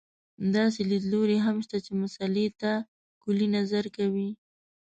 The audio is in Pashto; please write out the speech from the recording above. داسې لیدلوري هم شته چې مسألې ته کُلي نظر کوي.